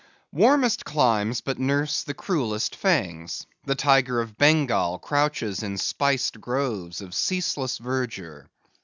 Warmest climes but nurse the cruellest fangs: the tiger of Bengal crouches in spiced groves of ceaseless verdure.